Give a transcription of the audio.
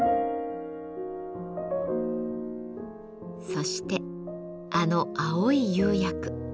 そしてあの青い釉薬。